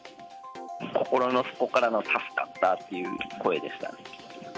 心の底からの、助かったという声でした。